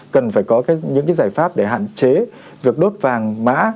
cần phải có những cái giải pháp để hạn chế việc đốt vàng mã